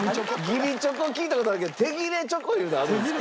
義理チョコ聞いた事あるけど手切れチョコいうのあるんですか？